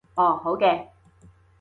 哦，好嘅